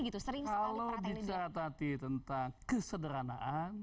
kalau bicara tadi tentang kesederhanaan